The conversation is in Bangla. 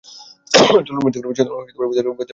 চলুন ভেতরে গিয়ে ওদের নিয়ে আসি।